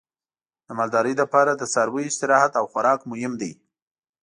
د مالدارۍ لپاره د څارویو استراحت او خوراک مهم دی.